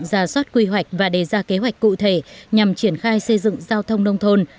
ra soát quy hoạch và đề ra kế hoạch cụ thể nhằm triển khai xây dựng giao thông nông thôn